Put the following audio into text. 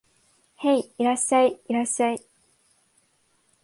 へい、いらっしゃい、いらっしゃい